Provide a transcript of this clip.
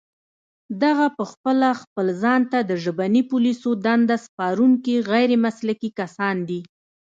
دغه پخپله خپل ځان ته د ژبني پوليسو دنده سپارونکي غير مسلکي کسان دي